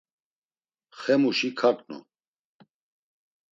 Xemuşi kaǩnu.